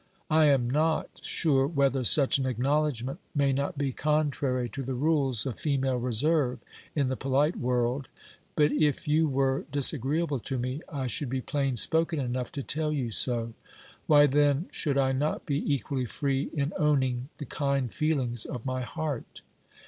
I am not sure whether such an acknowledgment may not be contrary to the rules of fe male reserve in the polite world ; but if you were disagreeable to me, I should be plain spoken enough to tell you so ; why, then, should I not be equally free in owning the kind feelings of my heart